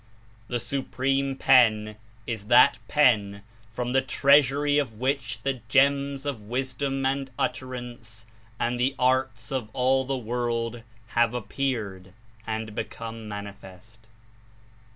"The Supreme Pen is that Pen, from the treasury of which the gems of Wisdom and Utterance and the arts of all the world have appeared and become manifest."